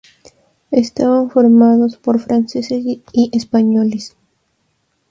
Estaban formados por franceses y españoles.